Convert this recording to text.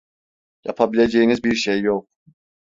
Yapabileceğiniz bir şey yok.